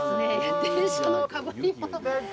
電車のかぶり物。